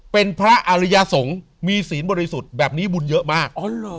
เป็นพระอริยสงฆ์มีศีลบริสุทธิ์แบบนี้บุญเยอะมาก